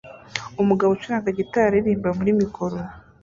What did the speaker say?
Umugabo ucuranga gitari aririmba muri mikoro